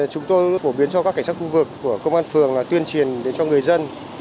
chúng tôi phổ biến cho các cảnh sát khu vực của công an phường tuyên truyền đến cho người dân